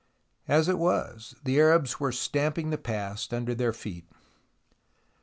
As it was, the Arabs were stamping the past under their feet.